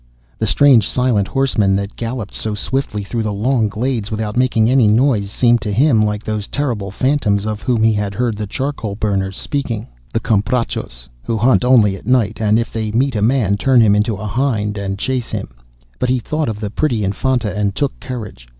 The strange silent horsemen that galloped so swiftly through the long glades without making any noise, seemed to him like those terrible phantoms of whom he had heard the charcoal burners speaking—the Comprachos, who hunt only at night, and if they meet a man, turn him into a hind, and chase him. But he thought of the pretty Infanta, and took courage.